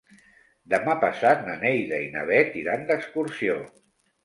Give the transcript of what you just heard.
Demà passat na Neida i na Bet iran d'excursió.